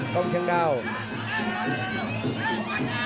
โตมเชียร์ดาวน์